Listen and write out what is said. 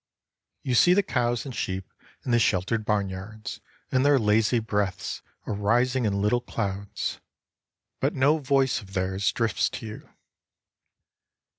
You see the cows and sheep in the sheltered barnyards and their lazy breaths arising in little clouds, but no voice of theirs drifts to you.